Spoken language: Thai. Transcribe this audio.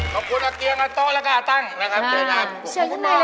ขอบคุณอักเกียงและโต๊ะลักษณ์อาตั้งนะครับเจนอาบ